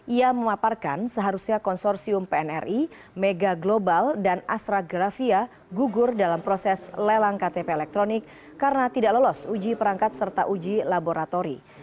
ia memaparkan seharusnya konsorsium pnri mega global dan astragrafia gugur dalam proses lelang ktp elektronik karena tidak lolos uji perangkat serta uji laboratori